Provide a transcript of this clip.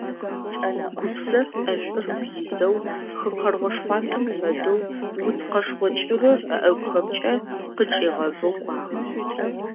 Гупсэф ӀэшӀур ыгу изэу, хы къэргъо шхъуантӀэм фэдэу, уц къэшхъо кӀырыр ыӀэгухэмкӀэ къычӀигъэбэу кӀуагъэ.